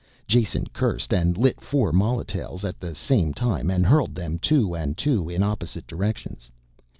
Jason cursed and lit four molotails at the same time and hurled them two and two in opposite directions.